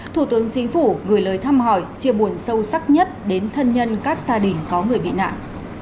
thủ tướng chính phủ gửi lời thăm hỏi chia buồn sâu sắc nhất đến thân nhân các gia đình có người bị nạn